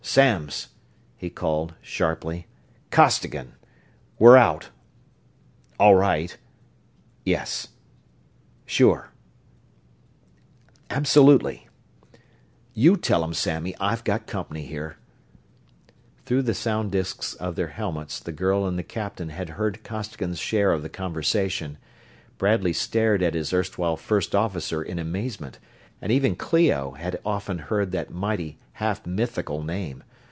"Samms!" he called, sharply. "Costigan. We're out ... all right ... yes ... sure ... absolutely ... you tell 'em, Sammy; I've got company here." Through the sound disks of their helmets the girl and the captain had heard Costigan's share of the conversation. Bradley stared at his erstwhile first officer in amazement, and even Clio had often heard that mighty, half mythical name.